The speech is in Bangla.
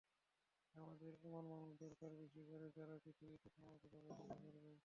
আমাদের এমন মানুষই দরকার বেশি করে, যারাই পৃথিবীতে সমঅধিকার প্রতিষ্ঠা করবে।